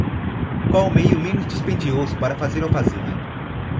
Qual o meio menos dispendioso para fazê-lo ou fazê-la?